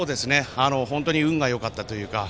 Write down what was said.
本当に運がよかったというか。